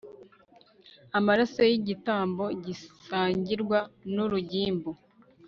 amaraso y'igitambo gisangirwa n'urugimbu